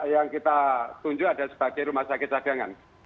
yang kita tunjukkan sebagai rumah sakit cadangan